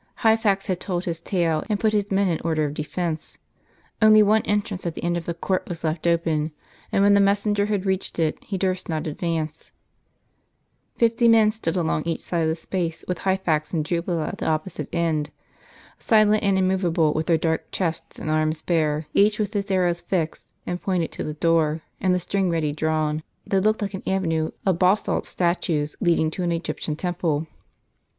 Hyphax had told his tale, and put his men in order of defence. Only one entrance at the end of the court was left open; and when the messenger had reached it, he durst not advance. Fifty men stood along each side of the space, with Hyphax and Jubala at the opposite end. Silent and immovable, with their dark chests and arms bare, each with bis arrow fixed, and pointed to the door, and the string ready drawn, they looked like an avenue of basalt statues, leading to an Egyptian temple.